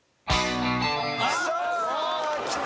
さあきた。